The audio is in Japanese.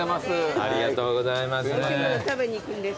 ありがとうございます。